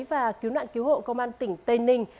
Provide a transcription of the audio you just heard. và cứu nạn cứu hộ công an tỉnh tây ninh